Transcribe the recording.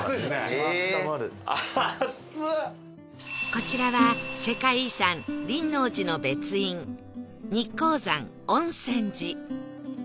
こちらは世界遺産輪王寺の別院日光山温泉寺